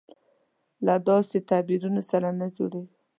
له داسې تعبیرونو سره نه جوړېږي.